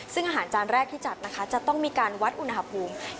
ซึ่งอาหารจานแรกที่จัดนะคะจะต้องมีการวัดอุณหภูมิ